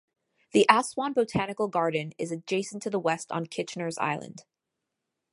The Aswan Botanical Garden is adjacent to the west on Kitchener's Island.